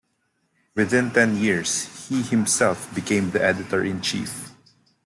Within ten years he himself became the editor-in-chief.